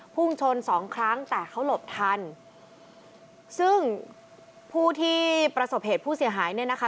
พุ่งชนสองครั้งแต่เขาหลบทันซึ่งผู้ที่ประสบเหตุผู้เสียหายเนี่ยนะคะ